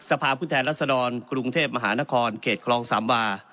สภาพพุทธแห่งลักษณ์ดอนกรุงเทพมหานครเกตครองสำวา